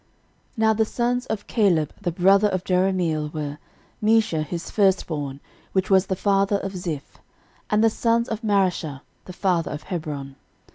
13:002:042 Now the sons of Caleb the brother of Jerahmeel were, Mesha his firstborn, which was the father of Ziph; and the sons of Mareshah the father of Hebron.